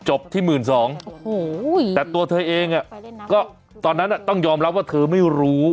จบที่หมื่นสองโอ้โหแต่ตัวเธอเองอ่ะก็ตอนนั้นน่ะต้องยอมรับว่าเธอไม่รู้